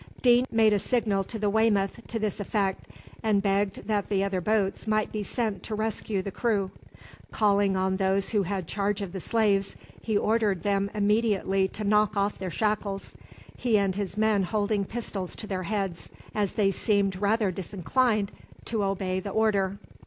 Deane made a signal to the "Weymouth" to this effect, and begged that other boats might be sent to rescue the crew. Calling on those who had charge of the slaves, he ordered them immediately to knock off their shackles, he and his men holding pistols to their heads, as they seemed rather disinclined to obey the order.